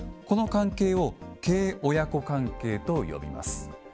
この関係を継親子関係と呼びます。